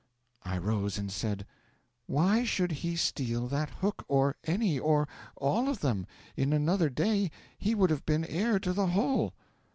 'I rose and said: '"Why should he steal that hook, or any or all of them? In another day he would have been heir to the whole!"